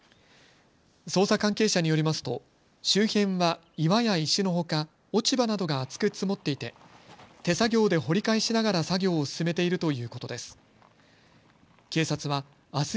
捜査関係者によりますと周辺は岩や石のほか、落ち葉などが厚く積もっていて手作業で掘り返しながら作業を進めているということです。